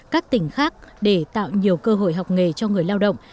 các tỉnh khác để tạo nhiều cơ hội học nghề cho người lao động